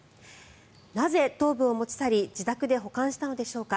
なぜ、頭部を持ち去り自宅で保管したのでしょうか。